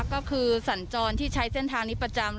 ก็คือสัญจรที่ใช้เส้นทางนี้ประจำ